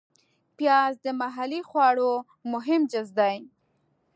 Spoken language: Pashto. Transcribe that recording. پیاز د محلي خواړو مهم جز دی